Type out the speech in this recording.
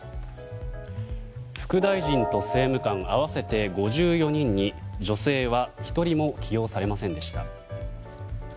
副大臣と政務官合わせて５４人に女性は１人も起用されませんでした。